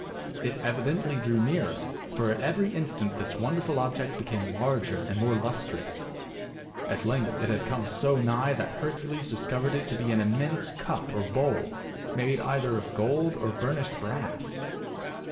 It evidently drew nearer, for at every instant this wonderful object became larger and more lustrous. At length it had come so nigh that Hercules discovered it to be an immense cup or bowl made either of gold or burnished brass.